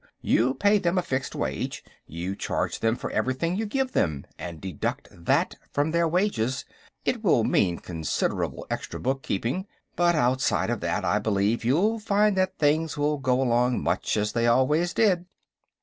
You pay them a fixed wage. You charge them for everything you give them, and deduct that from their wages. It will mean considerable extra bookkeeping, but outside of that I believe you'll find that things will go along much as they always did."